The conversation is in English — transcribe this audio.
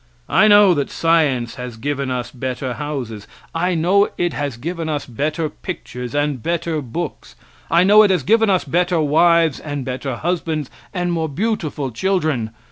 I know that science has given us better houses; I know it has given us better pictures and better books; I know it has given us better wives and better husbands, and more beautiful children.